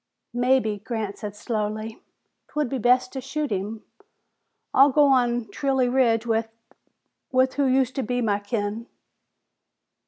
"Mebbe," Grant said slowly, "'twould be best to shoot him. I'll go on Trilley Ridge with with who used to be my kin."